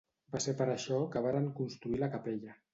Va ser per això que varen construir la capella.